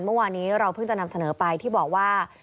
เมื่อวานนี้เราเพิ่งจะนำเสนอไปที่บอกว่า